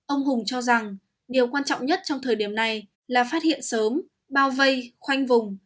ông hùng cho rằng điều quan trọng nhất trong thời điểm này là phát hiện sớm bao vây khoanh vùng